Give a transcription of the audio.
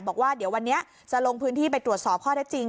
บอกว่าเดี๋ยววันนี้จะลงพื้นที่ไปตรวจสอบข้อได้จริง